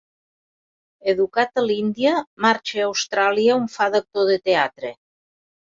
Educat a l'Índia, marxa a Austràlia on fa d'actor de teatre.